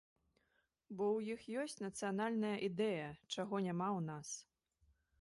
Бо ў іх ёсць нацыянальная ідэя, чаго няма ў нас.